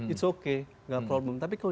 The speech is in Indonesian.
it's okay gak problem tapi kalau